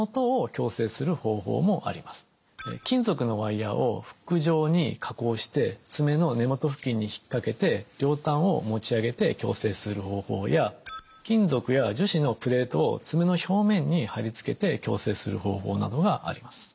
金属のワイヤーをフック状に加工して爪の根元付近に引っ掛けて両端を持ち上げて矯正する方法や金属や樹脂のプレートを爪の表面に貼り付けて矯正する方法などがあります。